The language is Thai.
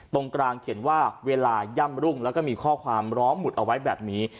ตรงกลางเขียนว่าเวลาย่ำรุ่งแล้วก็มีข้อความร้องหมุดเอาไว้แบบนี้